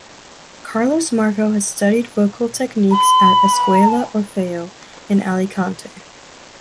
Carlos Marco has studied vocal techniques at "Escuela Orfeo" in Alicante.